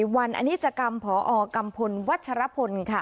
วันอนิจกรรมพอกัมพลวัชรพล